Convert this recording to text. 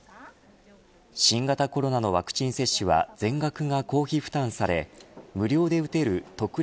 新型コロナのワクチン接種は全額が公費負担され無料で打てる特例